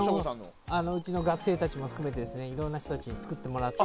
うちの学生たちも含めていろいろな人たちが作ってくれて。